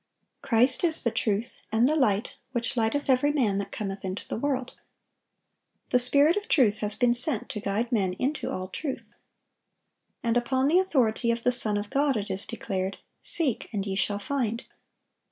Christ is the truth, and the "light, which lighteth every man that cometh into the world."(924) The Spirit of truth has been sent to guide men into all truth. And upon the authority of the Son of God it is declared, "Seek, and ye shall find."